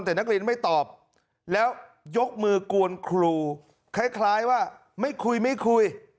แต่นักเรียนไม่ตอบแล้วยกมือกวนครูคล้ายว่าไม่คุยไม่คุย